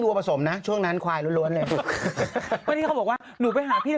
ก็จะเคิ้มอยู่สักแป๊บหนึ่งอะเนาะ